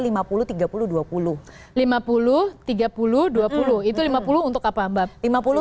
lima puluh tiga puluh dua puluh itu lima puluh untuk apa mbak